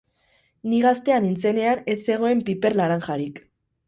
Ni gaztea nintzenean ez zegoen piper laranjarik.